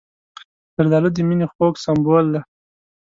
زردالو د مینې خوږ سمبول دی.